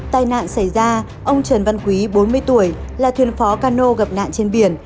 tai nạn xảy ra ông trần văn quý bốn mươi tuổi là thuyền phó cano gặp nạn trên biển